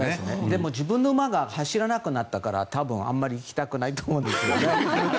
でも自分の馬が走らなくなったから多分、あまり行きたくないと思うんですけどね。